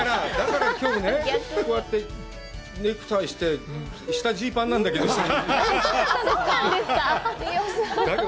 きょう、こうやってネクタイして、下、ジーパンなんだけど。